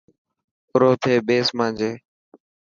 ارو ٿي ٻيسن مانجي.